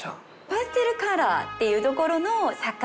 「パステルカラー」っていうところの魚。